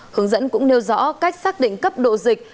hướng dẫn cũng nêu rõ cách xác định cấp độ dịch